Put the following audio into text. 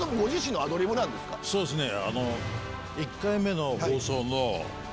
そうですね。